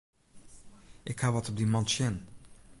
Ik haw wat op dy man tsjin.